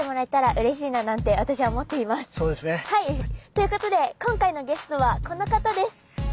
ということで今回のゲストはこの方です！